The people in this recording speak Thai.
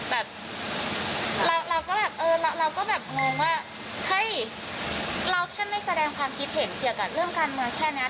แบบเราก็แบบเออเราก็แบบงงว่าเฮ้ยเราแค่ไม่แสดงความคิดเห็นเกี่ยวกับเรื่องการเมืองแค่นี้